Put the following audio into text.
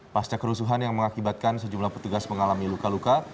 pasca kerusuhan yang mengakibatkan sejumlah petugas mengalami luka luka